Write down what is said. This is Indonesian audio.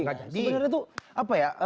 sebenarnya tuh apa ya